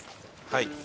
はい。